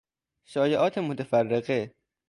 شایعات متفرقه